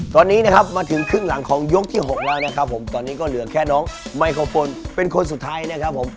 ตอนนี้นะครับมาถึงครึ่งหลังของยกที่๖แล้วนะครับผมตอนนี้ก็เหลือแค่น้องไมโครโฟนเป็นคนสุดท้ายนะครับผม